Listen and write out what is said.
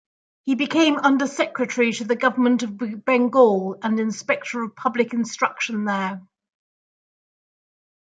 He became under-secretary to the government of Bengal, and inspector of public instruction there.